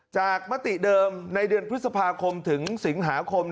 มติเดิมในเดือนพฤษภาคมถึงสิงหาคม